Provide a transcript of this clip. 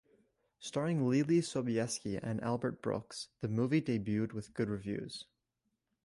Starring Leelee Sobieski and Albert Brooks, the movie debuted with good reviews.